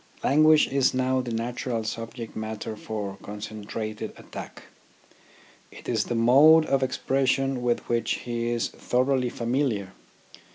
Language is now the natural subject matter for concentrated attack. It is the mode of expression with which he is thoroughly familiar.